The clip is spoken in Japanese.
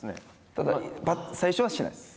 ただ最初はしないです。